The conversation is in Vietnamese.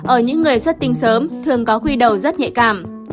ở những người xuất tinh sớm thường có huy đầu rất nhạy cảm